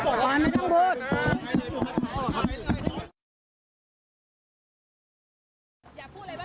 ปฏิเสธทุกครั้วเก่าหา